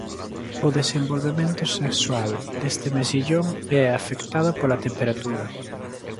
O desenvolvemento sexual deste mexillón é afectado pola temperatura.